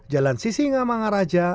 jalan sisinga mangaraja